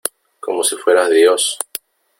como si fueras Dios .